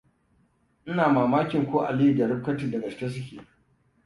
Ina mamakin ko Aliyu da Rifkatu da gaske su ke.